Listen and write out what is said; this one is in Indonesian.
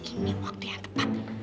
ini waktu yang tepat